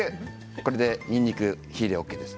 これで、にんにく火がＯＫです。